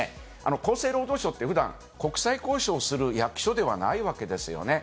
厚生労働省って、ふだん、国際交渉をする役所ではないわけですよね。